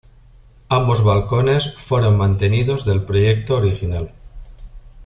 Ambos balcones fueron mantenidos del proyecto original.